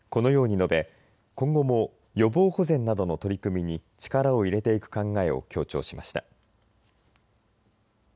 このように述べ今後も予防保全などの取り組みに力を入れていく考えを強調しました。